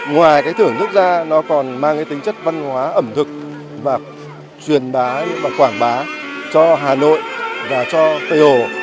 ngoài cái thưởng thức ra nó còn mang cái tính chất văn hóa ẩm thực và truyền bá và quảng bá cho hà nội và cho tây hồ